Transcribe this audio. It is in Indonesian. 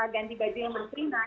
ganti baju yang menerima